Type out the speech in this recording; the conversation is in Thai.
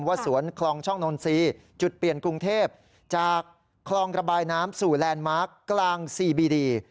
สวนคลองช่องนนทรีย์จุดเปลี่ยนกรุงเทพจากคลองระบายน้ำสู่แลนด์มาร์คกลางซีบีดี